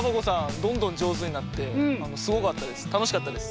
どんどんじょうずになってすごかったです。